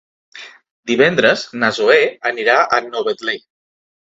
Divendres na Zoè anirà a Novetlè.